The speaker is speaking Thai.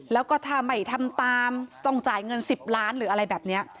แล้วก็ถ้าไม่ทำตามต้องจ่ายเงิน๑๐ล้านหรืออะไรแบบนี้